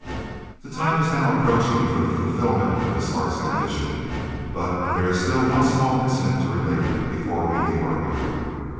The time was now approaching for the fulfilment of his heart's ambition, but there is still one small incident to relate before we leave our hero.